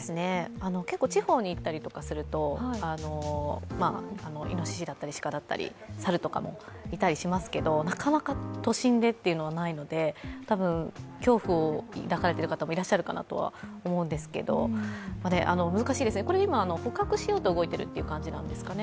結構地方に行ったりとかするといのししだったり、鹿だったり猿とかもいたりしますがなかなか都心でというのはないので、多分、恐怖を抱かれている方も多いと思いますけど難しいですね、今、捕獲しようと動いているという感じなんですかね。